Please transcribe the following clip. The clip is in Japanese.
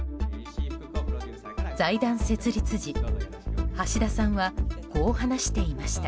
財団設立時、橋田さんはこう話していました。